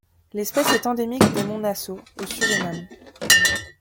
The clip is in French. L'espèce est endémique des monts Nassau, au Suriname.